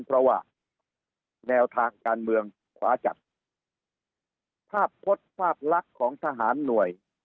เพราะว่าแนวทางการเมืองขวาจัดภาพพจน์ภาพลักษณ์ของทหารหน่วย